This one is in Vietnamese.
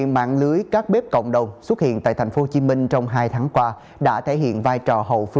mạng lưới các bếp cộng đồng xuất hiện tại tp hcm trong hai tháng qua đã thể hiện vai trò hậu